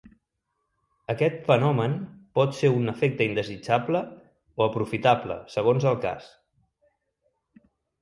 Aquest fenomen pot ser un efecte indesitjable o aprofitable segons el cas.